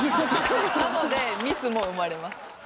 なのでミスも生まれます。